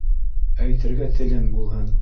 Әйтергә телең булһын.